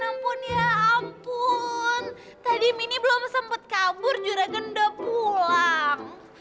ya ampun ya ampun tadi mini belum sempet kabur juragan udah pulang